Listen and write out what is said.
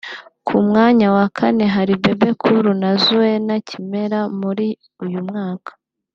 Ku mwanya wa kane hari Bebe Cool na Zuena Kimera; Muri uyu mwaka